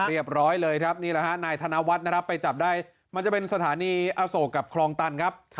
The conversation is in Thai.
เรียบร้อยเลยครับนี่แหละฮะนายธนวัฒน์นะครับไปจับได้มันจะเป็นสถานีอโศกกับคลองตันครับ